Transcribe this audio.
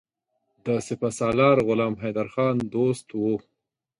د سپه سالار غلام حیدرخان دوست وو.